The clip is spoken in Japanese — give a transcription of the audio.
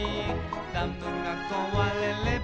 「ダムがこわれれば」